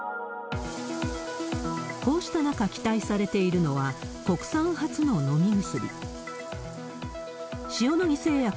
こうした中、期待されているのは国産初の飲み薬。